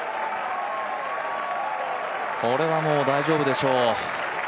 これはもう大丈夫でしょう。